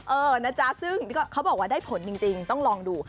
เออนะจ๊ะซึ่งเขาบอกว่าได้ผลจริงต้องลองดู